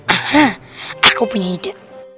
aha aku punya ide